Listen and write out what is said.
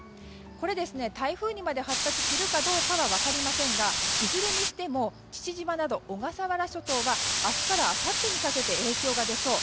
これは台風にまで発達するかどうかはわかりませんがいずれにしても父島など小笠原諸島は明日からあさってにかけて影響が出そう。